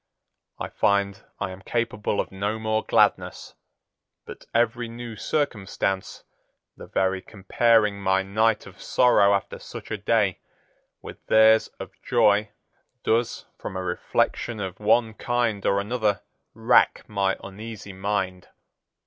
I find I am capable of no more gladness; but every new circumstance, the very comparing my night of sorrow after such a day, with theirs of joy, does, from a reflection of one kind or another, rack my uneasy mind.